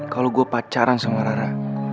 kalau gue pacaran sama rara